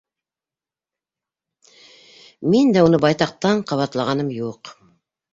Мин дә уны байтаҡтан ҡабатлағаным юҡ.